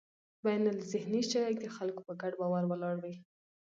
بینالذهني شی د خلکو په ګډ باور ولاړ وي.